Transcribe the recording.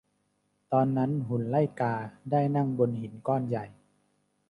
ตอนนั้นหุ่นไล่กาได้นั่งบนหินก้อนใหญ่